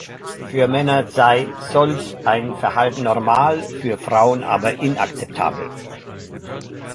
Für Männer sei solch ein Verhalten normal, für Frauen aber inakzeptabel.